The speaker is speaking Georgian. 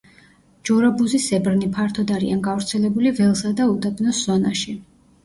ჯორაბუზისებრნი ფართოდ არიან გავრცელებული ველსა და უდაბნოს ზონაში.